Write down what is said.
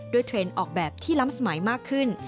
เทรนด์ออกแบบที่ล้ำสมัยมากขึ้น